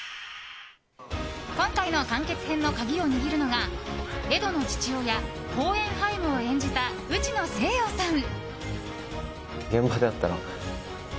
今回の完結編の鍵を握るのがエドの父親ホーエンハイムを演じた内野聖陽さん。